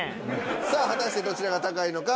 さあ果たしてどちらが高いのか。